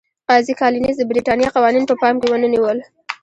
قاضي کالینز د برېټانیا قوانین په پام کې ونه نیول.